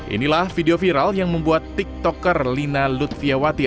inilah video viral yang membuat tiktoker lina lutfiawati